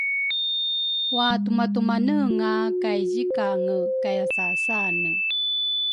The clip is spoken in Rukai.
Watumatumanenga kay zikange kayasasane?